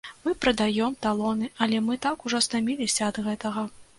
Мы прадаём талоны, але мы так ўжо стаміліся ад гэтага.